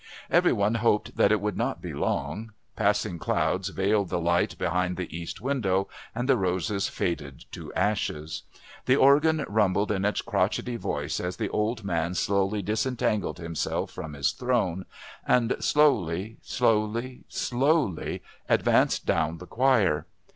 Every one hoped that it would not be long; passing clouds veiled the light behind the East window and the Roses faded to ashes. The organ rumbled in its crotchety voice as the old man slowly disentangled himself from his throne, and slowly, slowly, slowly advanced down the choir.